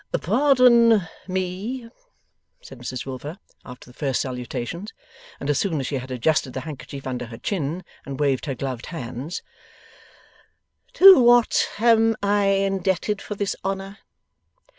'Pardon me,' said Mrs Wilfer, after the first salutations, and as soon as she had adjusted the handkerchief under her chin, and waved her gloved hands, 'to what am I indebted for this honour?